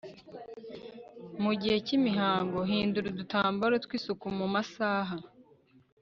mu gihe k'imihango, hindura udutambaro tw'isuku mu masaha